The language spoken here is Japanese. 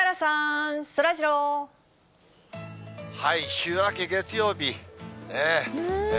週明け月曜日。